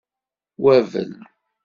Wabel.